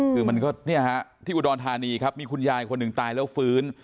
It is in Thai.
คือมันก็เนี่ยฮะที่อุดรธานีครับมีคุณยายคนหนึ่งตายแล้วฟื้น